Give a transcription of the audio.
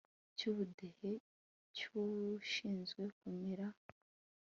cy ubudehe cy ushinzwe kumurera